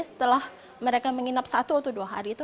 setelah mereka menginap satu atau dua hari itu